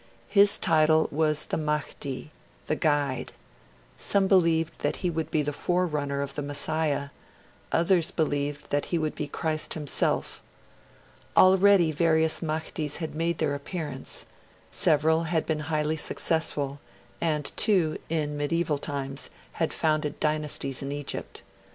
His title was the Mahdi, the guide; some believed that he would be the forerunner of the Messiah; others believed that he would be Christ himself. Already various Mahdis had made their appearance; several had been highly successful, and two, in medieval times, had founded dynasties in Egypt.